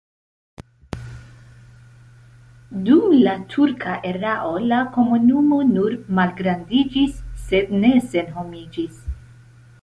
Dum la turka erao la komunumo nur malgrandiĝis, sed ne senhomiĝis.